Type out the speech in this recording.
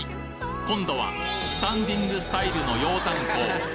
今度はスタンディングスタイルの鷹山公！